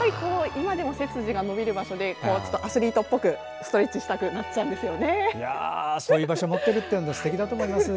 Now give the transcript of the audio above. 今でも背筋が伸びる場所でアスリートっぽくストレッチしたくそういう場所を持っているのはすてきです。